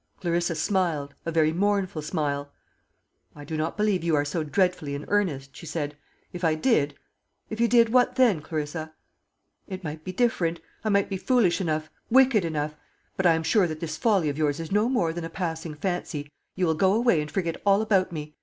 Clarissa smiled a very mournful smile. "I do not believe you are so dreadfully in earnest," she said. "If I did " "If you did, what then, Clarissa?" "It might be different. I might be foolish enough, wicked enough But I am sure that this folly of yours is no more than a passing fancy. You will go away and forget all about me.